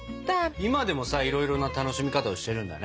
今でもさいろいろな楽しみ方をしてるんだね。